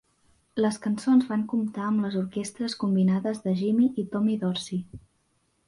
Les cançons van comptar amb les orquestres combinades de Jimmy i Tommy Dorsey.